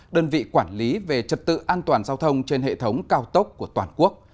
đơn vị quản lý về trật tự an toàn giao thông trên hệ thống cao tốc của toàn quốc